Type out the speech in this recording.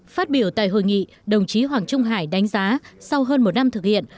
phát biểu tại hội nghị đồng chí hoàng trung hải đánh giá sau hơn một năm thực hiện